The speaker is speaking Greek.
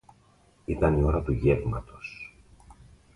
Ήταν η ώρα του γεύματος